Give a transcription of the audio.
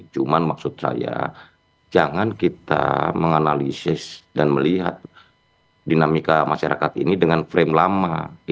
cuma maksud saya jangan kita menganalisis dan melihat dinamika masyarakat ini dengan frame lama